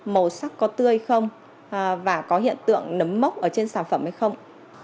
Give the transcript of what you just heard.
màu sắc có tươi không và có hiện tượng nấm mốc ở trên sản phẩm hay không